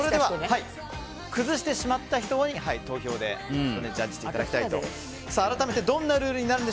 崩してしまった人を投票でジャッジしていただきます。